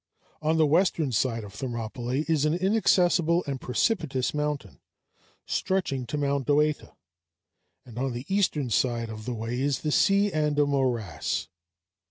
On the western side of Thermopylæ is an inaccessible and precipitous mountain, stretching to Mount Oeta, and on the eastern side of the way is the sea and a morass.